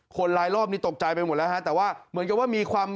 คนลายรอบนี้ตกใจไปหมดแล้ว